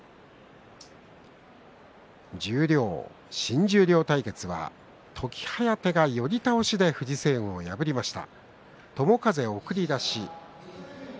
十両、新十両対決は時疾風が寄り倒しで藤青雲を破りました。